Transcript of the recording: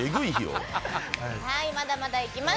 まだまだいきます。